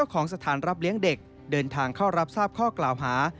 ของสถานรับเลี้ยงเด็กเดินทางเข้ารับทราบข้อกล่าวหา